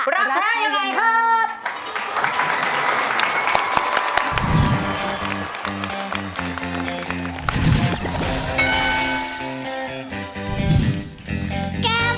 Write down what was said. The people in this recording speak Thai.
รักแท้ยังไงครับ